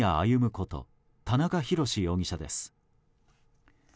こと田中裕志容疑者です。